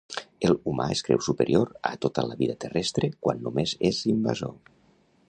El humà és creu superior a tota la vida terrestre quan només és invasor